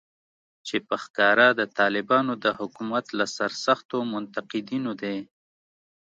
چې په ښکاره د طالبانو د حکومت له سرسختو منتقدینو دی